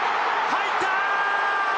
入った。